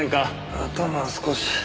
頭少し。